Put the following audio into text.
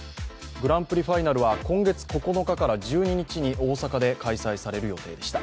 グランプリファイナルは今月９日から１２日に大阪で開催される予定でした。